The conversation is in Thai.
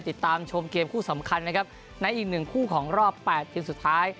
ติดตามชมเกมคู่สำคัญนะครับในอีกหนึ่งคู่ของรอบ๘ทีมสุดท้าย